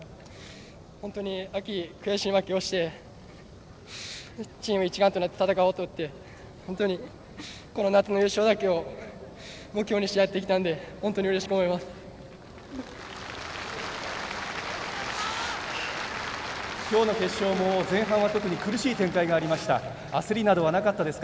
本当に秋に悔しい負けをしてチーム一丸となって戦おうと言って本当に、この夏の優勝だけを目標にしてやってきたので本当にうれしく思います。